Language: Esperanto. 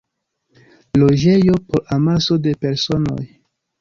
Loĝejo por amaso de personoj.